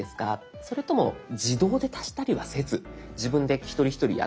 それとも「自動で足したりはせず自分で一人一人やってく」。